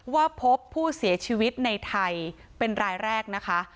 ว่าพบผู้เสียชีวิตในไทยเป็นรายแรกนะคะ